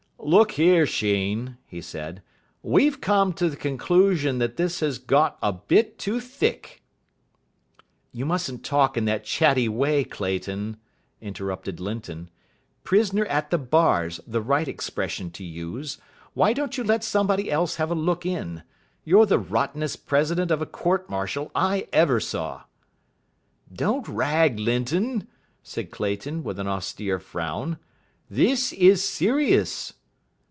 "Look here, Sheen," he said, "we've come to the conclusion that this has got a bit too thick." "You mustn't talk in that chatty way, Clayton," interrupted Linton. "'Prisoner at the bar's' the right expression to use. Why don't you let somebody else have a look in? You're the rottenest president of a court martial I ever saw." "Don't rag, Linton," said Clayton, with an austere frown. "This is serious."